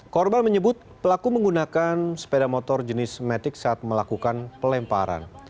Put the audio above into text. korban menyebut pelaku menggunakan sepeda motor jenis matic saat melakukan pelemparan